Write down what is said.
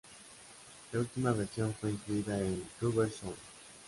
La última versión fue incluida en Rubber Soul.